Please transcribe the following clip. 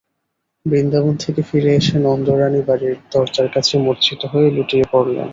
বৃন্দাবন থেকে ফিরে এসে নন্দরানী বাড়ির দরজার কাছে মূর্ছিত হয়ে লুটিয়ে পড়লেন।